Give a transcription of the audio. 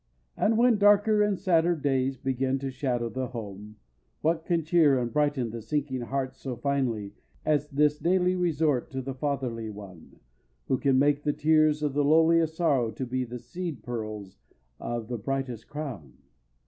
And when darker and sadder days begin to shadow the home, what can cheer and brighten the sinking heart so finely as this daily resort to the fatherly One, who can make the tears of the lowliest sorrow to be the seed pearls of the brightest crown?